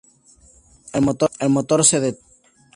El motor se detuvo.